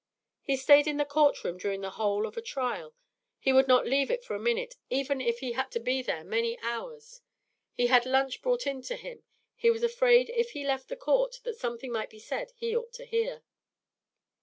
He stayed in the court room during the whole of a trial. He would not leave it for a minute, even if he had been there many hours. He had lunch brought in to him. He was afraid if he left the court that something might be said he ought to hear.